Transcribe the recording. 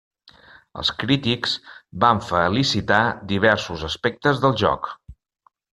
Els crítics van felicitar diversos aspectes del joc.